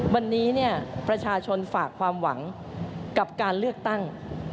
วันนี้ประชาชนฝากความหวังกับการเลือกตั้ง